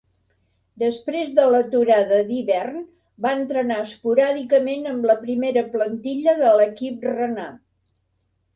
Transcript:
Després de l'aturada d'hivern, va entrenar esporàdicament amb la primera plantilla de l'equip renà.